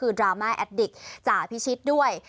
คือดราม่าแอดดิกจ่าพิชิตด้วย